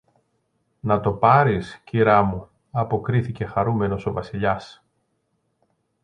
Να το πάρεις, Κυρά μου, αποκρίθηκε χαρούμενος ο Βασιλιάς.